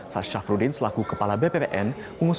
saat syafruddin selaku kepala bpn bpn mengusungkan skl